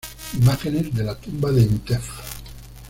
Imágenes de la tumba de Intef I